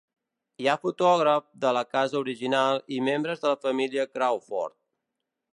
Hi ha fotògrafs de la casa original i membres de la família Crawford.